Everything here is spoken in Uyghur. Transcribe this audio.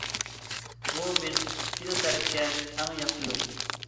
بۇ بىز ئىككىلا تەرەپكە ئەڭ ياخشى يول.